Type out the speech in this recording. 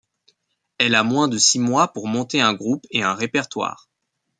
Elle a moins de six mois pour monter un groupe et un répertoire.